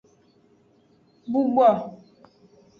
Bubo.